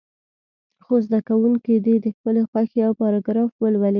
څو زده کوونکي دې د خپلې خوښې یو پاراګراف ولولي.